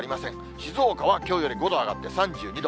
静岡はきょうより５度上がって３２度。